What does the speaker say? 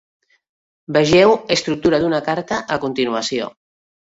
Vegeu "estructura d'una carta" a continuació.